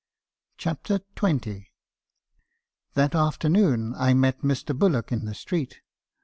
CHAPTER XX. " That afternoon I met Mr. Bullock in the street.